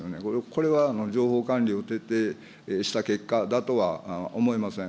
これは情報管理を徹底した結果だとは思いません。